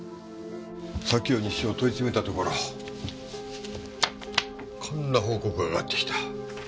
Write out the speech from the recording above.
左京西署を問い詰めたところこんな報告が上がってきた。